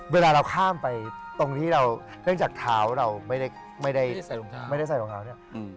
เวลาเราข้ามไปตรงที่เราเนื่องจากเท้าเราไม่ได้ใส่รองเท้าเนี่ย